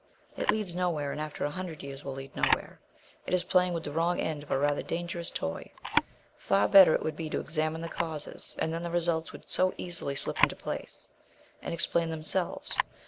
"It leads nowhere, and after a hundred years will lead nowhere. It is playing with the wrong end of a rather dangerous toy. Far better, it would be, to examine the causes, and then the results would so easily slip into place and explain themselves.